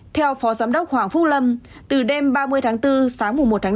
theo phó giám đốc hoàng phúc lâm từ đêm ba mươi tháng bốn sáng mùa một tháng năm